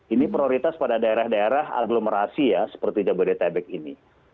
ini prioritas pada daerah daerah aglomerasi ya seperti jabodetabek ini